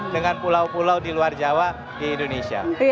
dengan pulau pulau di luar jawa di indonesia